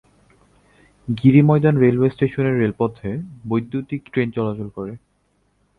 গিরি Maidan railway স্টেশনের রেলপথে বৈদ্যুতীক ট্রেন চলাচল করে।